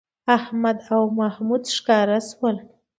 احمد او محمود ښکاره شول